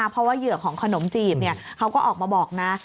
เพราะว่าเหยื่อของขนมจีบเขาก็ออกมาบอกนะ